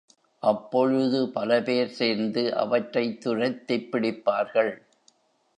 அப்பொழுது பலபேர் சேர்ந்து அவற்றைத் துரத்திப் பிடிப்பார்கள்.